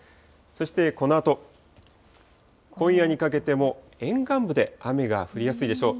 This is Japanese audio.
そしてこのあと、今夜にかけても沿岸部で雨が降りやすいでしょう。